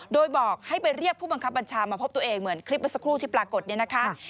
โดยบอกให้ไปเรียกผู้บังคับบัญชามาพบตัวเองเหมือนคลิปเมื่อสักครู่ที่ปรากฏเนี่ยนะคะ